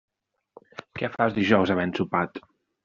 Què fas els dijous havent sopat?